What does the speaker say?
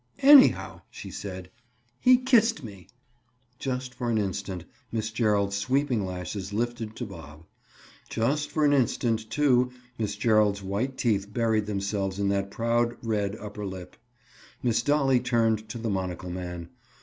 "Anyhow," she said, "he kissed me." Just for an instant Miss Gerald's sweeping lashes lifted to Bob. Just for an instant, too, Miss Gerald's white teeth buried themselves in that proud red upper lip. Miss Dolly turned to the monocle man.